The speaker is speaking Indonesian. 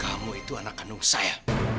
kamu itu anak kandung saya